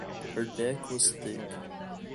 Her deck was thick.